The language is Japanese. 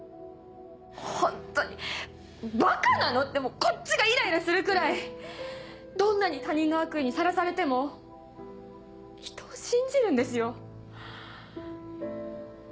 ホントにバカなの⁉ってこっちがイライラするくらいどんなに他人の悪意に晒されても人を信じるんですよ。